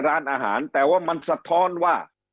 ร้านอาหารแต่ว่ามันสะท้อนว่า